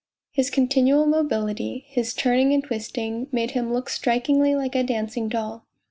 His continual mobility, his turning and twisting, made him look strikingly like a dancing doll.